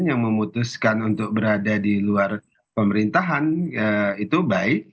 yang memutuskan untuk berada di luar pemerintahan itu baik